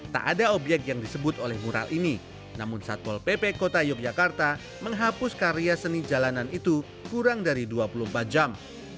tak ada obyek yang disebut oleh mural ini namun satpol pp kota yogyakarta menghapus karya seni jalanan itu kurang dari dua puluh empat jam